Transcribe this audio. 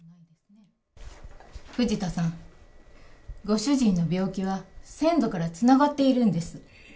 藤田さん、ご主人の病気は先祖からつながっているんです。